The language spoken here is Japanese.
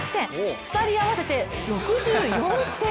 ２人合わせて６４点。